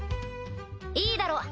いいだろう